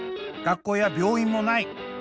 学校や病院もない。